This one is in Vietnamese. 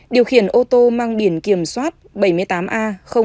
điều khiển ô tô mang biển kiểm soát bảy mươi tám a chín nghìn một trăm chín mươi tám